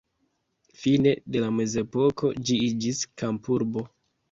Fine de la mezepoko ĝi iĝis kampurbo.